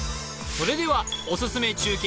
それではおすすめ中継